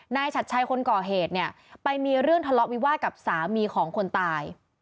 ฉัดชัยคนก่อเหตุเนี่ยไปมีเรื่องทะเลาะวิวาสกับสามีของคนตาย